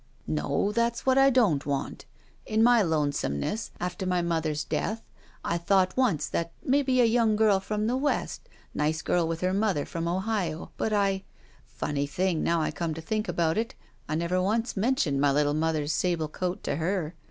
"No. That's what I don't want. In my lone someness, after my mother's death, I thought once that maybe a yoimg girl from the West, nice girl with her mother from Ohio — ^but I — ^funny thing, IS SHE WALKS IN BEAUTY now I come to think about it — I never once men tioned my little mother's sable coat to her.